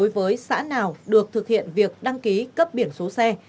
với xã nào được thực hiện việc đăng ký cấp biển số xe